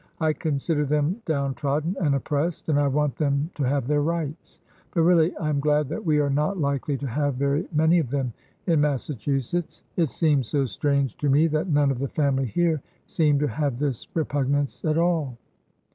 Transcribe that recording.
I consider them down trod . den and oppressed, and I want them to have their rights, but really I am glad that we are not likely to have very many of them in Massachusetts. It seems so strange to me that none of the family here seem to have this repug nance at all.